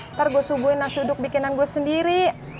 ntar gue subuhin nasi uduk bikinan gue sendiri